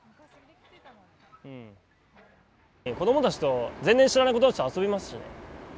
子どもたちと全然知らない子たちと遊びますしね。